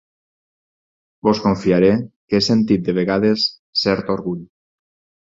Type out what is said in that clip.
Vos confiaré que he sentit de vegades cert orgull.